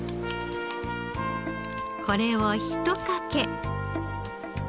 これをひとかけ。